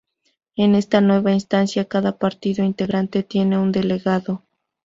En esta nueva instancia cada partido integrante tiene un delegado.